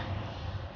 gak ada apa apa